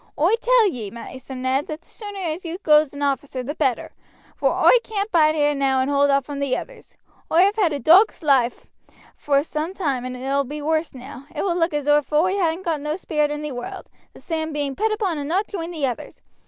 Oi tell ye, Maister Ned, that the sooner as you goes as an officer the better, vor oi caan't bide here now and hold off from the others, Oi have had a dog's loife for some time, and it ull be worse now. It would look as if oi hadn't no spirit in the world, to stand being put upon and not join the others.